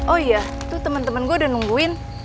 oh iya tuh temen temen gue udah nungguin